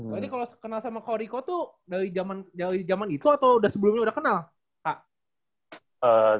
berarti kalau kenal sama kak rico tuh dari zaman itu atau udah sebelum ini udah kenal kak